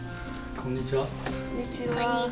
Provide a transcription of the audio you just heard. こんにちは。